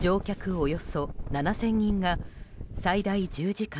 およそ７０００人が最大１０時間